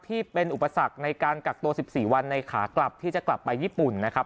ที่เป็นอุปสรรคในการกักตัว๑๔วันในขากลับที่จะกลับไปญี่ปุ่นนะครับ